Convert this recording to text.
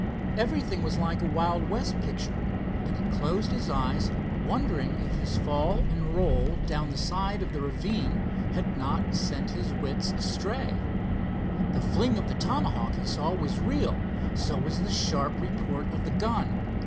Everything was like a Wild West picture, and he closed his eyes wondering if his fall and roll down the side of the ravine had not sent his wits astray. The fling of the tomahawk he saw was real, so was the sharp report of the gun.